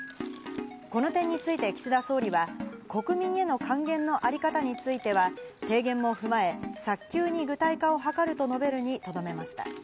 この点について岸田総理は国民への関係の在り方については提言も踏まえ、早急に具体化を図ると述べるにとどめました。